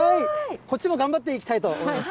こっちも頑張っていきたいと思います。